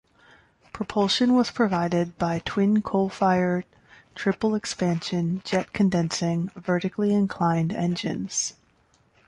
Propulsion was provided by twin coal-fired triple-expansion, jet-condensing, vertically inclined engines.